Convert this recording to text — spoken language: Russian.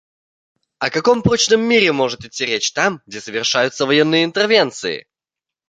О каком прочном мире может идти речь там, где совершаются военные интервенции?